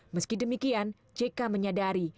meski demikian jk menyadari